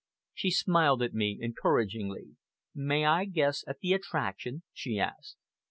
She smiled at me encouragingly. "May I guess at the attraction?" she asked.